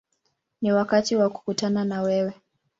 Ni wakati wa kukutana na wewe”.